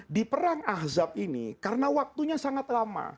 di perang ahzab ini karena waktunya sangat lama